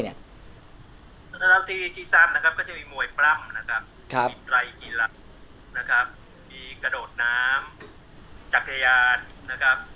ที่๓นะครับก็จะมีมวยปร่ำมีไตรกีฬามีกระโดดน้ำจักรยาน